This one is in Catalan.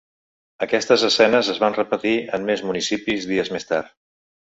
Aquestes escenes es van repetir en més municipis dies més tard.